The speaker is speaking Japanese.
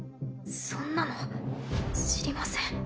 そんなの知りません。